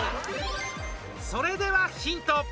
それではヒント！